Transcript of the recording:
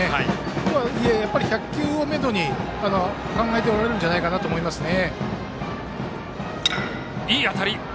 とはいえ、１００球をめどに考えておられるんじゃないかと思いますね。